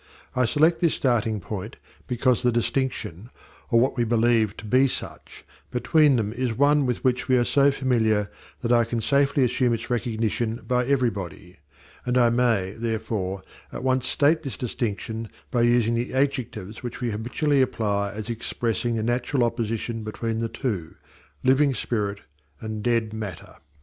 I select this starting point because the distinction or what we believe to be such between them is one with which we are so familiar that I can safely assume its recognition by everybody; and I may, therefore, at once state this distinction by using the adjectives which we habitually apply as expressing the natural opposition between the two living spirit and dead matter.